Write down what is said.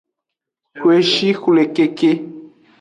Koeshi xwle keke.